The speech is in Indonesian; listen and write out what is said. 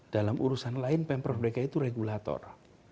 dalam urusan lain pemprov dki itu regulator